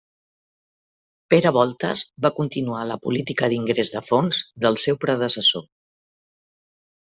Pere Voltes va continuar la política d'ingrés de fons del seu predecessor.